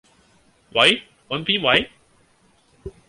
喂，搵邊位？